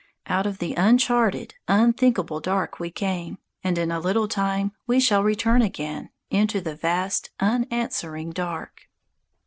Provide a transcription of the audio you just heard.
_Out of the uncharted, unthinkable dark we came, And in a little time we shall return again Into the vast, unanswering dark.